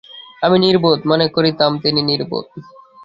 আমি নির্বোধ, মনে করিতাম তিনি নির্বোধ।